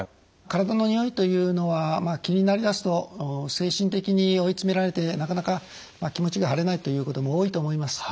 体のにおいというのは気になりだすと精神的に追い詰められてなかなか気持ちが晴れないということも多いと思います。